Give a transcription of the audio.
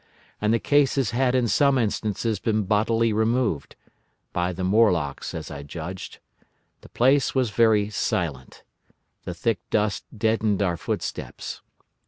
And the cases had in some instances been bodily removed—by the Morlocks, as I judged. The place was very silent. The thick dust deadened our footsteps.